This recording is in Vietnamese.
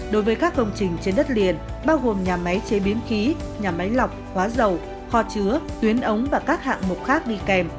đối với các công trình trên đất liền bao gồm nhà máy chế biến khí nhà máy lọc hóa dầu kho chứa tuyến ống và các hạng mục khác đi kèm